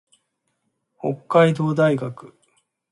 北海道大学